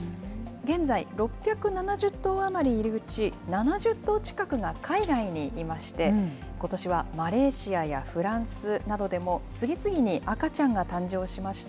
現在６７０頭余りいるうち７０頭近くが海外にいまして、ことしはマレーシアやフランスなどでも、次々に赤ちゃんが誕生しました。